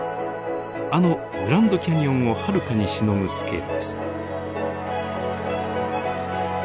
あのグランドキャニオンをはるかにしのぐスケールです。